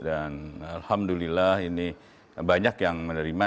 alhamdulillah ini banyak yang menerima